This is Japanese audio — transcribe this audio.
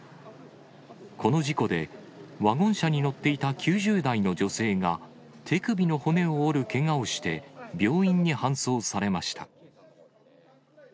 この事故で、ワゴン車に乗っていた９０代の女性が、手首の骨を折るけがをして病院に搬送されました。